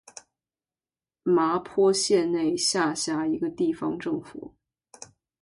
麻坡县内下辖一个地方政府。